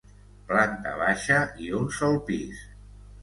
Planta baixa i un sol pis.